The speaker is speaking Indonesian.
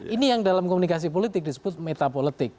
ini yang dalam komunikasi politik disebut metapolitik